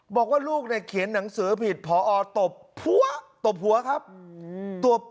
บอกว่าลูกเขียนหนังสือผิดพอตบหัวครับ